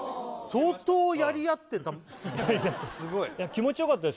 相当やり合ってた・